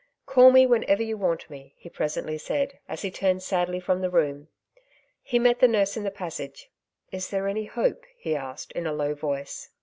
" Call me whenever you want me," he presently said, as he turned sadly from the room. He met the nurse in the passage. " Is there any hope ?" he asked in a low voice.